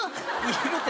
いるって。